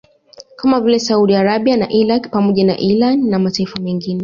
Kama vile Saudi Arabia na Iraq pamoja na Irani na mataifa mengine